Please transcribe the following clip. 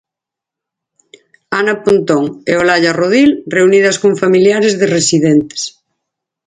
Ana Pontón e Olalla Rodil reunidas con familiares de residentes.